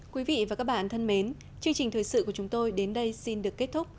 quý vị và các bạn thân mến chương trình thời sự của chúng tôi đến đây xin được kết thúc